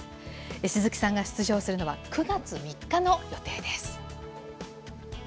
鈴木さんが出場するのは、９月３日の予定です。